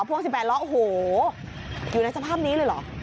พวก๑๘ล้อโอ้โหอยู่ในสภาพนี้เลยเหรอ